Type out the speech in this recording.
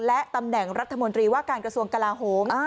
และตำแหน่งรัฐมนตรีว่าการกระทรวงกลาโหม